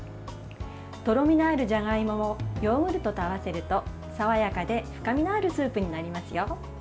とろみのあるじゃがいもをヨーグルトと合わせると爽やかで深みのあるスープになりますよ。